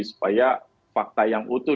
supaya fakta yang utuh